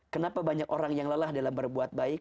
kenapa banyak orang yang lelah dalam berbuat baik